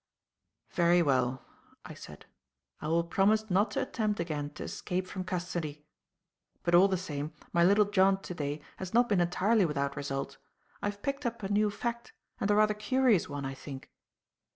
"Very well," I said. "I will promise not to attempt again to escape from custody. But, all the same, my little jaunt to day has not been entirely without result. I have picked up a new fact, and a rather curious one, I think.